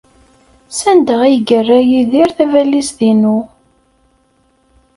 Sanda ay yerra Yidir tabalizt-inu?